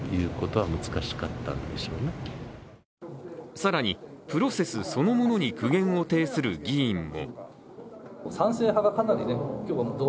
更に、プロセスそのものに苦言を呈する議員も。